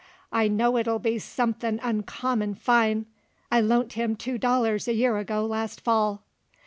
I know it'll be sumthin' uncommon fine; I loant him two dollars a year ago last fall."